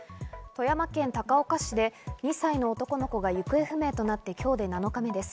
富山県高岡市で２歳の男の子が行方不明となって今日で７日目です。